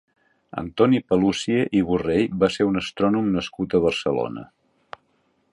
Antoni Paluzie i Borrell va ser un astrònom nascut a Barcelona.